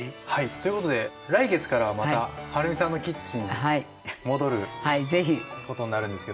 ということで来月からはまたはるみさんのキッチンに戻ることになるんですけども。